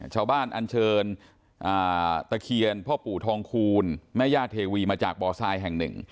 ชาวบ้านอันเชิญอ่าตะเคียนพ่อปู่ทองคูลแม่ยากเทวีมาจากเบาะทรายแห่ง๑